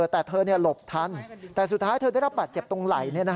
แต่เธอหลบทันแต่สุดท้ายเธอได้รับบาดเจ็บตรงไหล่